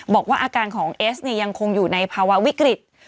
บอกว่าอาการของเอสเนี่ยยังคงอยู่ในภาวะวิกฤต